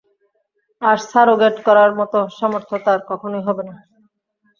আর surrogate করার মতো সামর্থ্য তার কখনোই হবে না।